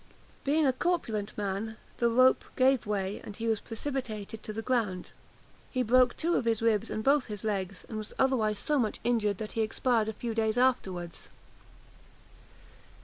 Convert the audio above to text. Being a corpulent man, the rope gave way, and he was precipitated to the ground. He broke two of his ribs and both his legs; and was otherwise so much injured, that he expired a few days afterwards.